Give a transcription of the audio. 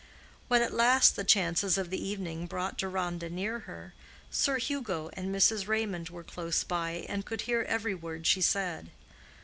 When at last the chances of the evening brought Deronda near her, Sir Hugo and Mrs. Raymond were close by and could hear every word she said.